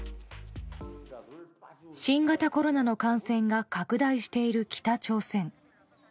新型コロナの感染が拡大している北朝鮮。